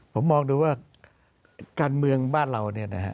ผมมองดูว่าการเมืองบ้านเราเนี่ยนะฮะ